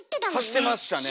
走ってましたね！